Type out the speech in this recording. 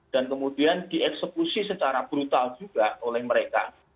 dan kemudian dieksekusi secara brutal juga oleh mereka